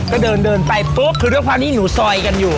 ก็เดินเดินไปปุ๊บคือด้วยความที่หนูซอยกันอยู่